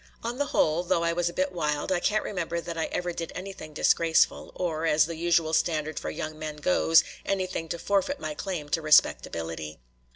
On the whole, though I was a bit wild, I can't remember that I ever did anything disgraceful, or, as the usual standard for young men goes, anything to forfeit my claim to respectability.